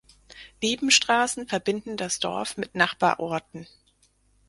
Nebenstraßen verbinden das Dorf mit Nachbarorten.